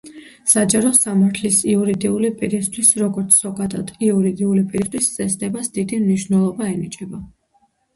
საჯარო სამართლის იურიდიული პირისთვის, როგორც, ზოგადად, იურიდიული პირისთვის, წესდებას დიდი მნიშვნელობა ენიჭება.